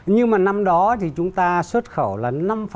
nhưng mà năm đó thì chúng ta xuất khẩu là năm